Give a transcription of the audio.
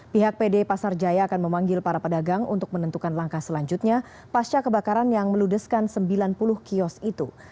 pihak pd pasar jaya akan memanggil para pedagang untuk menentukan langkah selanjutnya pasca kebakaran yang meludeskan sembilan puluh kios itu